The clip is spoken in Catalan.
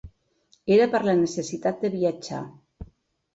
Era per la necessitat de viatjar.